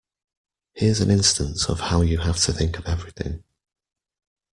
Here's an instance of how you have to think of everything.